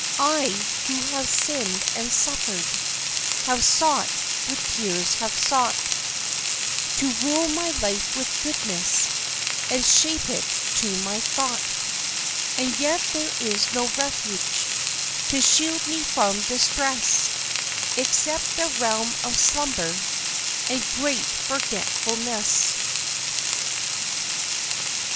I, who have sinned and suffered, Have sought with tears have sought To rule my life with goodness, And shape it to my thought; And yet there is no refuge To shield me from distress, Except the realm of slumber And great forgetfulness.